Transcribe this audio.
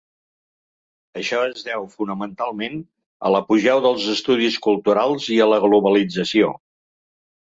Això es deu, fonamentalment, a l'apogeu dels estudis culturals i a la globalització.